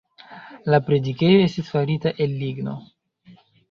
La predikejo estis farita el ligno.